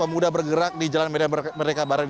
mudah bergerak di jalan medan merdeka barat